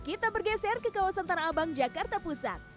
kita bergeser ke kawasan tanah abang jakarta pusat